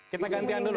kita gantian dulu